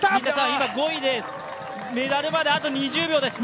今５位です、メダルまであと２０秒です！